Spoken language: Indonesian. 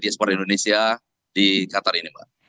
diaspor indonesia di qatar ini mbak